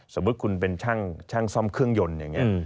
สมมุติคุณเป็นช่างซ่อมเครื่องยนต์อย่างนี้